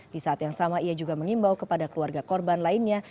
di saat yang sama ia juga mengimbau kepada keluarga korban lainnya